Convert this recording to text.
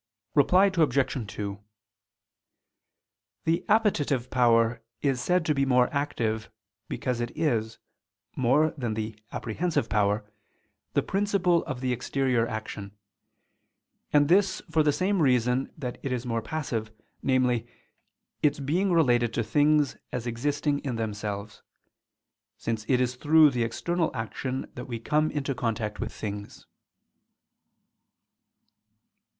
Reply Obj. 2: The appetitive power is said to be more active, because it is, more than the apprehensive power, the principle of the exterior action: and this for the same reason that it is more passive, namely, its being related to things as existing in themselves: since it is through the external action that we come into contact with things.